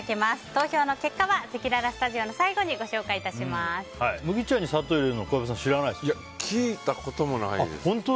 投票の結果はせきららスタジオの最後に麦茶に砂糖入れるの聞いたこともないです。